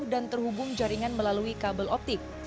dan terhubung jaringan melalui kabel optik